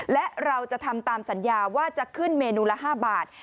และเราจะทำตามสัญญาว่าจะขึ้นเมนูละ๕บาท